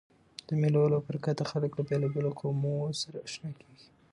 د مېلو له برکته خلک له بېلابېلو قومو سره آشنا کېږي.